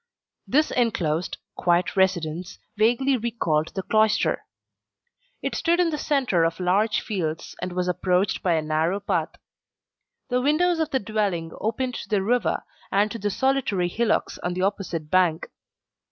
This enclosed, quiet residence vaguely recalled the cloister. It stood in the centre of large fields, and was approached by a narrow path. The windows of the dwelling opened to the river and to the solitary hillocks on the opposite bank.